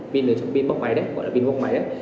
pin ở trong pin bóc máy đấy gọi là pin bóc máy đấy